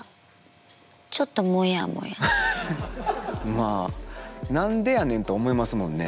まあ何でやねんと思いますもんね。